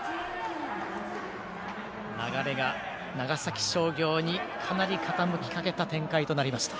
流れが長崎商業にかなり傾きかけた展開となりました。